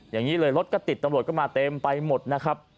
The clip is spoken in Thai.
อย่างนี้เลยรถก็ติดตำรวจก็มาเต็มไปหมดนะครับ